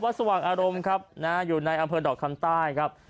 สว่างอารมณ์ครับนะฮะอยู่ในอำเภอดอกคำใต้ครับ